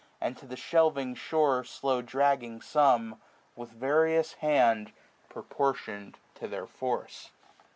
And to the shelving shore slow dragging some. With various hand proportion^ to their force.